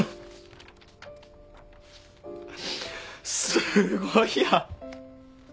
すごいや。